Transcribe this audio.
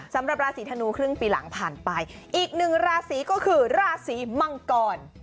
สำหรับราศีธนูครึ่งปีหลังผ่านไปอีกหนึ่งราศีก็คือราศีมังกร